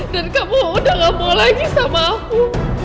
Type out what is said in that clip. dan kamu udah gak mau lagi sama aku